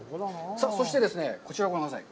さあ、そして、こちらをご覧ください。